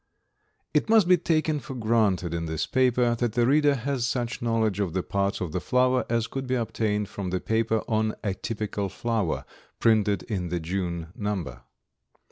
It must be taken for granted in this paper that the reader has such knowledge of the parts of the flower as could be obtained from the paper on "A Typical Flower," printed in the June number.